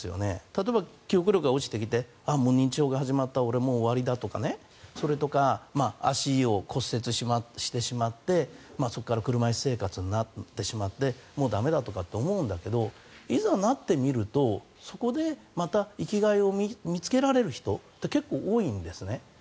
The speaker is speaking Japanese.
例えば、記憶力が落ちてきて認知症だ俺はもう終わりだとか足を骨折してしまってそこから車椅子生活になってしまってもう駄目だとかって思うんだけれどもいざなってみるとそこでまた生きがいを見つけられる人って結構多いんですね。